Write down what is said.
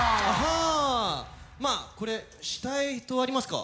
まあこれしたい人ありますか？